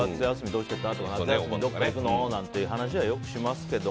どうしてた？とか夏休みにどこか行く？なんて話はしますけど。